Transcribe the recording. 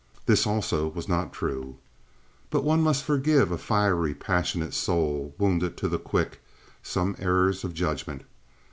(This also was not true.) But one must forgive a fiery, passionate soul, wounded to the quick, some errors of judgment.